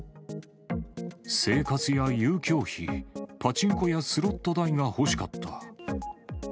生活や遊興費、パチンコやスロット代が欲しかった。